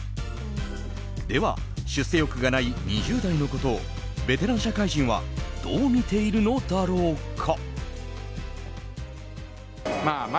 では、出世欲がない２０代のことをベテラン社会人はどう見ているのだろうか。